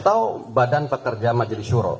atau badan pekerja majelis syuroh